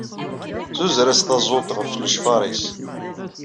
Zuzer-as taẓult ɣef lecfaṛ-is.